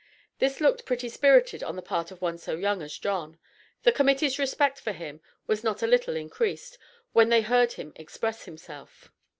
This looked pretty spirited on the part of one so young as John. The Committee's respect for him was not a little increased, when they heard him express himself.